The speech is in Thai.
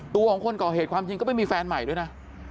ตัวของคนก่อเหตุความจริงก็ไม่มีแฟนใหม่ด้วยนะ